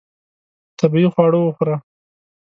طبیعي خواړه وخوره.